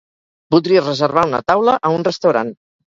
Voldria reservar una taula a un restaurant.